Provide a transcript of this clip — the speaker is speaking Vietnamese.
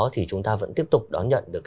thì chúng ta vẫn tiếp tục đón nhận được